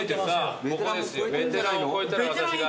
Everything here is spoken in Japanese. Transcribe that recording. ベテランを超えたら私が。